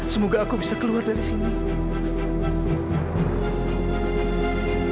semoga aku bisa keluar dari sini